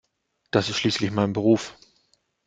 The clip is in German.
Das ist schließlich mein Beruf.